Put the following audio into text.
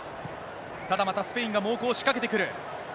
ただまた、スペインが猛攻を仕掛けてくる。